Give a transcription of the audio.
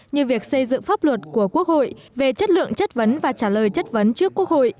như việc xây dựng pháp luật của quốc hội về chất lượng chất vấn và trả lời chất vấn trước quốc hội